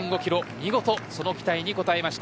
見事その期待に応えました。